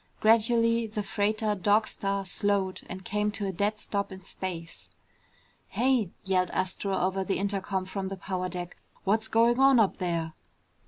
Gradually the freighter Dog Star slowed and came to a dead stop in space. "Hey!" yelled Astro over the intercom from the power deck. "What's going on up there?"